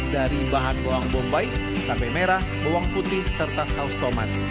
dari bahan bawang bombay cabai merah bawang putih serta saus tomat